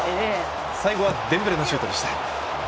最後はデンベレのシュートでした。